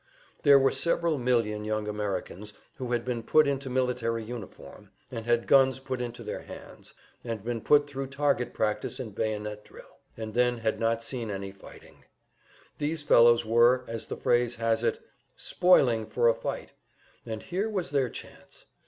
There were several million young Americans who had been put into military uniform, and had guns put into their hands, and been put thru target practice and bayonet drill, and then had not seen any fighting. These fellows were, as the phrase has it, "spoiling for a fight;" and here was their chance.